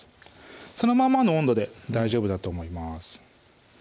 そのままの温度で大丈夫だと思います